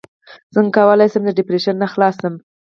څنګه کولی شم د ډیپریشن نه خلاص شم